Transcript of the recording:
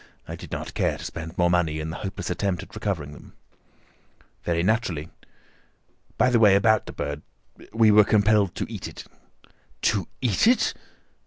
I did not care to spend more money in a hopeless attempt at recovering them." "Very naturally. By the way, about the bird, we were compelled to eat it." "To eat it!"